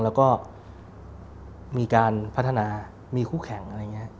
แล้วก็มีการพัฒนามีคู่แข่งอะไรอย่างนี้